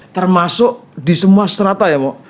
termasuk di semua strata ya mo